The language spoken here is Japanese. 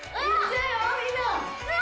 ・うわ！